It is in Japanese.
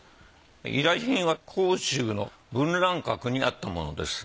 依頼品は杭州の文瀾閣にあったものです。